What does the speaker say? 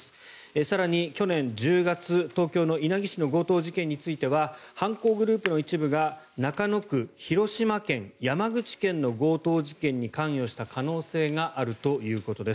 更に、去年１０月東京の稲城市の強盗事件については犯行グループの一部が中野区、広島県、山口県の強盗事件に関与した可能性があるということです。